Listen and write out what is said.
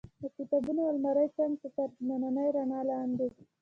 د کتابونو المارۍ څنګ ته تر تتې رڼا لاندې.